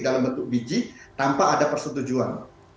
dalam bentuk biji tanpa ada persetujuan